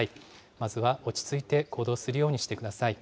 まずは落ち着いて行動するようにしてください。